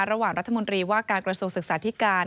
ระหว่างรัฐมนตรีว่าการกระทรวงศึกษาธิการ